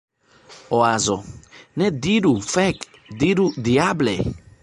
Oazo: "Ne diru "Fek!". Diru "Diable!""